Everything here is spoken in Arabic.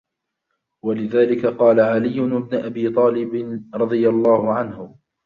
وَلِذَلِكَ قَالَ عَلِيُّ بْنُ أَبِي طَالِبٍ رَضِيَ اللَّهُ عَنْهُ